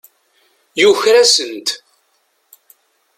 Yuker-asent.